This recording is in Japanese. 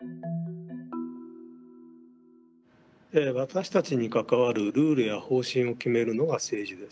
私たちに関わるルールや方針を決めるのが政治です。